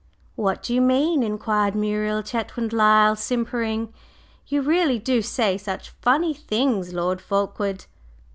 "What do you mean?" inquired Muriel Chetwynd Lyle, simpering. "You really do say such funny things, Lord Fulkeward!"